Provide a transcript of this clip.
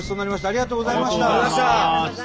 ありがとうございます。